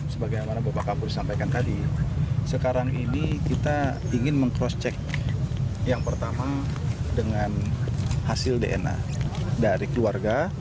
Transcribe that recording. sebagai yang bapak kapolis sampaikan tadi sekarang ini kita ingin meng crosscheck yang pertama dengan hasil dna dari keluarga